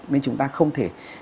nên chúng ta không thể